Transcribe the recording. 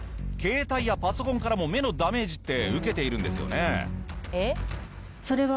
携帯やパソコンからも目のダメージって受けているんですよね？